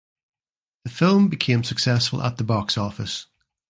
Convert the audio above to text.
The film became successful at the box office.